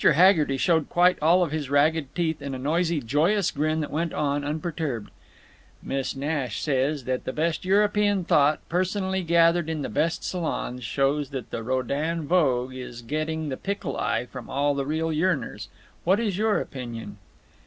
Haggerty showed quite all of his ragged teeth in a noisy joyous grin and went on, unperturbed: "Miss Nash says that the best European thought, personally gathered in the best salons, shows that the Rodin vogue is getting the pickle eye from all the real yearners. What is your opinion?"